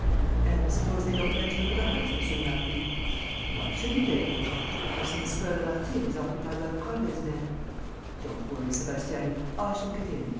"And suppose they don't let you into the house, monsieur le marquis?" "Why shouldn't they?" "The house in the Square Lamartine is occupied by Prasville's men." "Don't worry, Sébastiani. I shall get in.